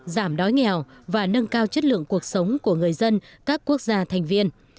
giảm đói nghèo và nâng cao chất lượng cuộc sống của người dân các quốc gia thành viên